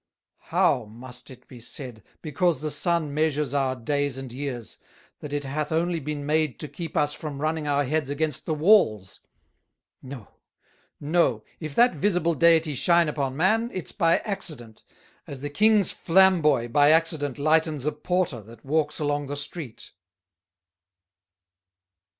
How, must it be said, because the Sun measures our Days and Years, that it hath only been made to keep us from running our Heads against the Walls? No, no, if that visible Deity shine upon Man, it's by accident, as the King's Flamboy by accident lightens a Porter that walks along the Street."